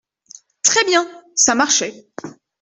Très bien !… ça marchait…